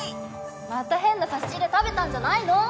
また変な差し入れ食べたんじゃないの？